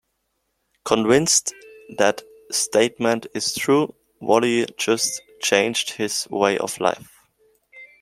Convinced that statement is true, Wally just changed his way of life.